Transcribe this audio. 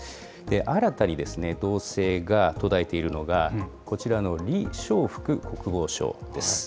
新たに動静が途絶えているのがこちらの李尚福国防相です。